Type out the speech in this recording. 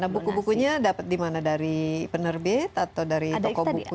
buku bukunya dapat dimana dari penerbit atau dari toko buku